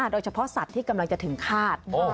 โดยเฉพาะสัตว์ที่กำลังจะถึงฆาต